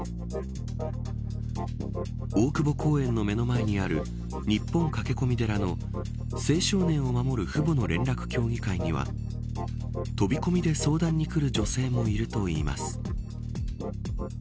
大久保公園の目の前にある日本駆け込み寺の青少年を守る父母の連絡協議会には飛び込みで相談に来る女性もいるといいます。